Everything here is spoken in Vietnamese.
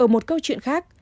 ở một câu chuyện khác